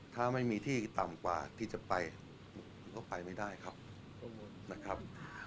ถ้าไม่มีที่ต่ำกว่าที่จะไปก็ไปไม่ได้ครับนะครับ